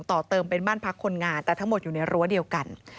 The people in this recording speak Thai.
ต่อเติมเป็นบ้านพักคนงานแต่ทั้งหมดอยู่ในรั้วเดียวกัน